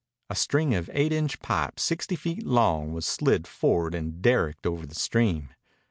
A string of eight inch pipe sixty feet long was slid forward and derricked over the stream.